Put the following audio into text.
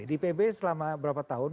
di pb selama berapa tahun